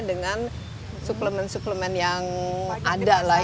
dengan suplemen suplemen yang ada lah